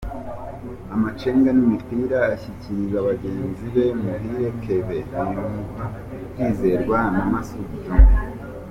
Amacenga n'imipira ashyikiriza bagenzi be, Muhire Kevin bimuha kwizerwa na Masud Djuma .